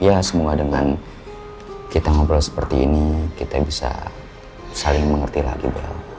ya semoga dengan kita ngobrol seperti ini kita bisa saling mengerti lagi